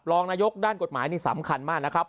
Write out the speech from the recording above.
รองนายกด้านกฎหมายนี่สำคัญมากนะครับ